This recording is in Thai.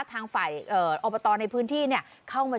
ทางฝ่ายอบตรในพื้นที่เนี่ย